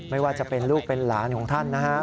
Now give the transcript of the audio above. ไม่ว่าจะเป็นลูกเป็นหลานของท่านนะฮะ